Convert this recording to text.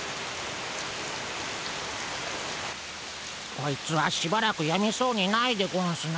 こいつはしばらくやみそうにないでゴンスな。